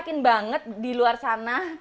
yakin banget di luar sana